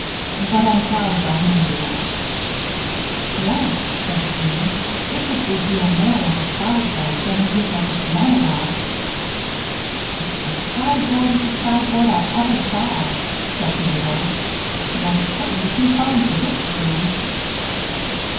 But I'm proud of our handiwork." "Yes," said Jean, "it's a great deal more like a sideboard than it is like a piano box." "It's the sideboardiest sideboard I ever saw," said Mabel, "but it's certainly too fine for this room."